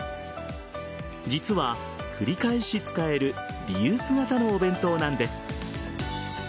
実は、繰り返し使えるリユース型のお弁当なんです。